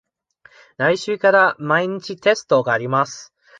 来週から毎日テストがあります。